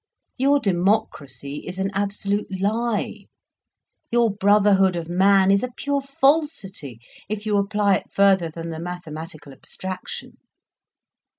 Your democracy is an absolute lie—your brotherhood of man is a pure falsity, if you apply it further than the mathematical abstraction.